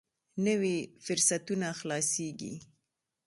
نوي فرصتونه خلاصېږي.